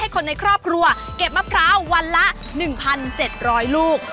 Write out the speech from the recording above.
คนในครอบครัวเก็บมะพร้าววันละ๑๗๐๐ลูก